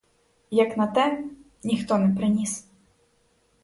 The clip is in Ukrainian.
Як на те — ніхто не приніс.